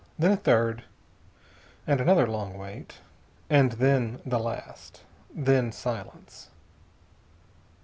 Then a third, and another long wait, and then the last. Then silence.